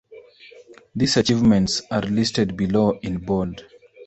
These achievements are listed below in bold.